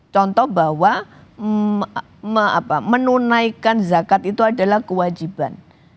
contoh bahwa menunaikan zakat itu adalah kewajiban